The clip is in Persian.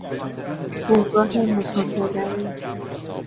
بنگاه مسافر بری